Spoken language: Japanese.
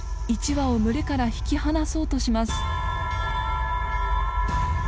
１羽を群れから引き離そうとします。